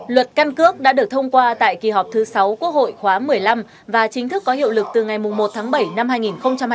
luật căn cước đã được thông qua tại kỳ họp thứ sáu quốc hội khóa một mươi năm và chính thức có hiệu lực từ ngày một tháng bảy năm hai nghìn hai mươi